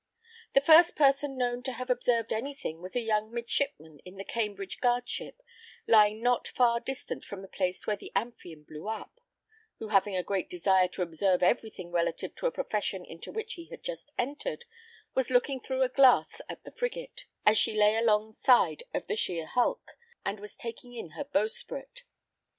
The first person known to have observed any thing was a young midshipman in the Cambridge guard ship, lying not far distant from the place where the Amphion blew up; who having a great desire to observe every thing relative to a profession into which he had just entered, was looking through a glass at the frigate, as she lay along side of the sheer hulk, and was taking in her bowsprit.